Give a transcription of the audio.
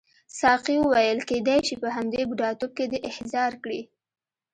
ساقي وویل کیدای شي په همدې بوډاتوب کې دې احضار کړي.